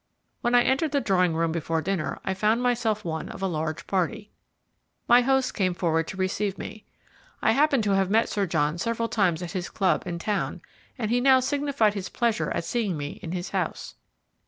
When I entered the drawing room before dinner, I found myself one of a large party. My host came forward to receive me. I happened to have met Sir John several times at his club in town, and he now signified his pleasure at seeing me in his house.